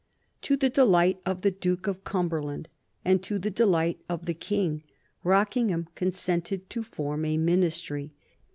To the delight of the Duke of Cumberland, and to the delight of the King, Rockingham consented to form a Ministry.